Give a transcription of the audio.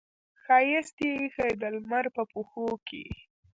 ښایست یې ایښې د لمر په پښو کې